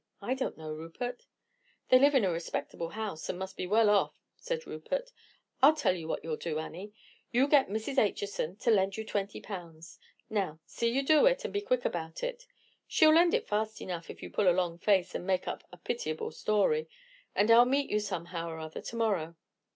"I don't know, Rupert." "They live in a respectable house, and must be well off," said Rupert. "I tell you what you'll do, Annie. You get Mrs. Acheson to lend you twenty pounds. Now, see you do it, and be quick about it. She'll lend it fast enough if you pull a long face, and make up a pitiable story, and I'll meet you somehow or other to morrow.